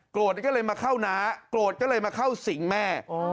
ก็เลยมาเข้าน้าโกรธก็เลยมาเข้าสิงแม่